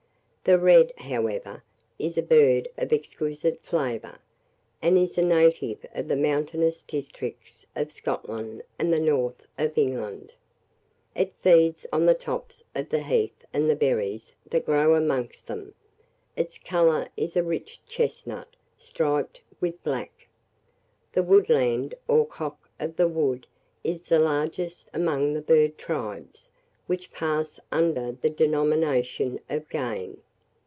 The red, however, is a bird of exquisite flavour, and is a native of the mountainous districts of Scotland and the north of England. It feeds on the tops of the heath and the berries that grow amongst them: its colour is a rich chestnut, striped with black. The woodland, or cock of the wood, is the largest among the bird tribes which pass under the denomination of game.